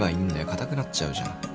硬くなっちゃうじゃん。